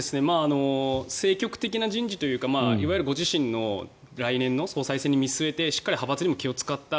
政局的な人事というかいわゆるご自身の来年の総裁選を見据えてしっかり派閥にも気をつかった